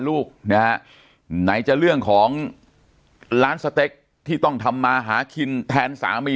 ลูกนะฮะไหนจะเรื่องของร้านสเต็กที่ต้องทำมาหากินแทนสามี